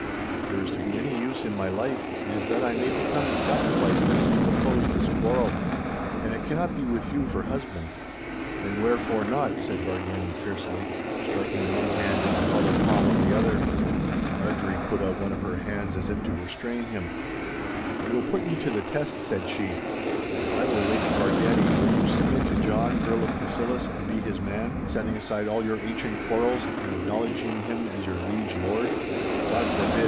If there is to be any use in my life, it is that I may become the sacrifice that is to compose this quarrel. And it cannot be with you for husband.' 'And wherefore not?' said Bargany fiercely, striking one hand into the hollow palm of the other. Marjorie put out one of her own hands as if to restrain him. 'I will put you to the test,' said she; 'if I were Lady Bargany, would you submit to John, Earl of Cassillis, and be his man, setting aside all your ancient quarrels, and acknowledging him as your liege lord?' 'God forbid!